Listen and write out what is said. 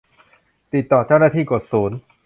ติดต่อเจ้าหน้าที่ กดศูนย์